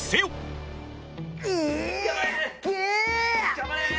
頑張れ！